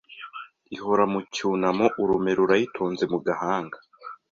Ihora mu cyunamo urume rurayitonze mu gahanga